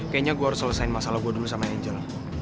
kayaknya gue harus selesaiin masalah gue dulu sama angel